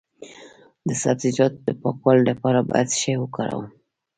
د سبزیجاتو د پاکوالي لپاره باید څه شی وکاروم؟